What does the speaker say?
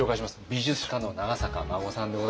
美術家の長坂真護さんでございます。